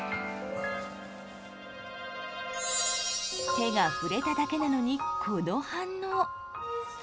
手が触れただけなのにこの反応。